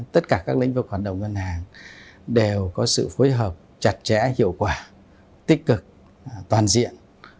tất cả các lĩnh vực hoạt động ngân hàng đều có sự phối hợp chặt chẽ hiệu quả tích cực toàn diện